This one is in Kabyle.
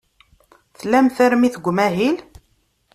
Tlam tarmit deg umahil?